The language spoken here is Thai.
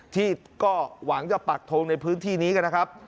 ที่ก็หวังจะปักทงในพื้นที่นี้กันนะครับ